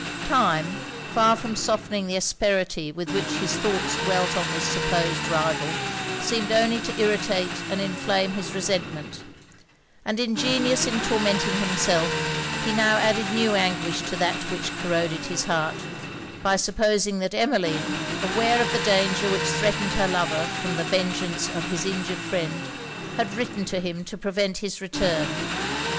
Time, far from softening the asperity with which his thoughts dwelt on this supposed rival, seemed only to irritate and inflame his resentment; and ingenious in tormenting himself, he now added new anguish to that which corroded his heart, by supposing that Emmeline, aware of the danger which threatened her lover from the vengeance of his injured friend, had written to him to prevent his return.